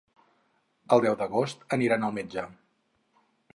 El deu d'agost aniran al metge.